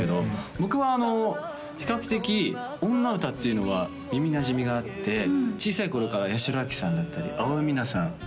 僕は比較的女歌っていうのは耳なじみがあって小さい頃から八代亜紀さんだったり青江三奈さん